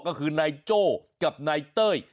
ก็คือไนโจ้กับไนเต้ย